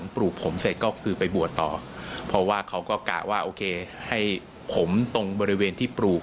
เพราะว่าเขาก็กะว่าโอเคให้ผมตรงบริเวณที่ปลูก